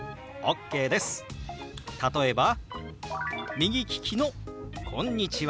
例えば右利きの「こんにちは」。